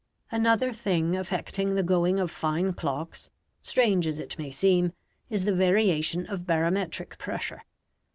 Another thing affecting the going of fine clocks, strange as it may seem, is the variation of barometric pressure.